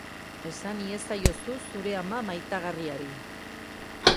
Esan iezaiozu zure ama maitagarriari.